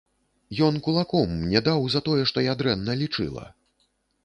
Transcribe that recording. Ён кулаком мне даў за тое, што я дрэнна лічыла.